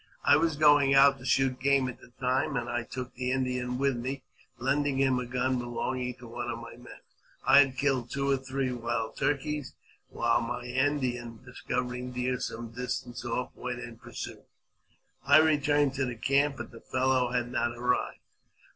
I was going out to shoot game at the time, and I took the Indian with me, lending him a gun belonging to one of my men. I had killed two or three wild turkeys, when my Indian, discovering deer some distance off, went in pursuit. I returned to the camp, but the fellow had not arrived.